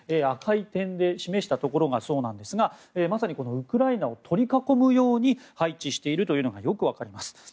赤い点で示したところがそうなんですがまさにウクライナを取り囲むように配置しているのがよく分かります。